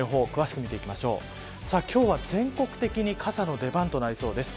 今日は全国的に傘の出番となりそうです。